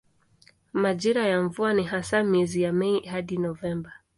Majira ya mvua ni hasa miezi ya Mei hadi Novemba.